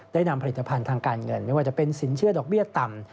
ได้นำผลิตภัณฑ์ทางการเงินไม่ว่าจะเป็นสินเชื่อดอกเบี้ยต่ำ